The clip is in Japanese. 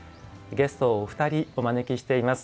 ゲストをお二人お招きしています。